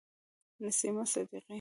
نسیمه صدیقی